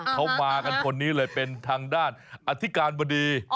เขามากันคนนี้เลยเป็นทางด้านอธิการบดี